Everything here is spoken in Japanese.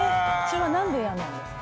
何で嫌なんですか？